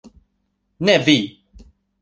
Ne vi!